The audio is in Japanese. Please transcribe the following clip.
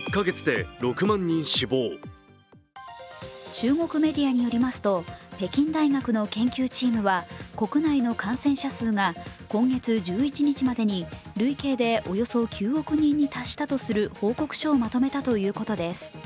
中国メディアによりますと北京大学の研究チームは国内の感染者数が今月１１日までに累計でおよそ９億人に達したとする報告書をまとめたということです。